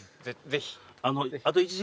ぜひ。